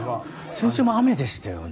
先週も雨でしたよね。